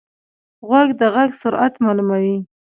غوږ د غږ سرعت معلوموي.